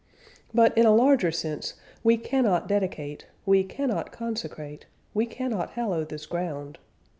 But, in a larger sense, we cannot dedicate. . .we cannot consecrate. .. we cannot hallow this ground.